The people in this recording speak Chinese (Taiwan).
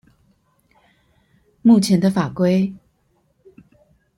目前的法規